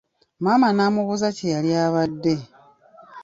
Maama n'amubuuza kye yali abadde.